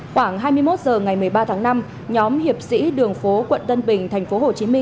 khoảng hai mươi một h ngày một mươi ba tháng năm nhóm hiệp sĩ đường phố quận tân bình tp hcm